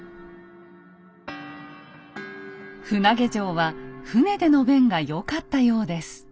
船上城は船での便が良かったようです。